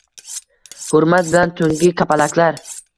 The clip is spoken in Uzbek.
Hurmat bilan "Tunggi kapalaklar"!